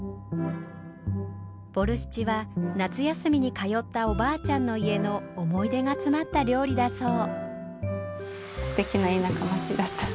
ボルシチは夏休みに通ったおばあちゃんの家の思い出が詰まった料理だそう。